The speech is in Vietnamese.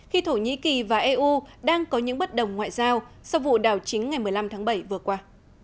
khi thổ nhĩ kỳ và eu đang có những bất đồng ngoại giao sau vụ đảo chính ngày một mươi năm tháng bảy vừa qua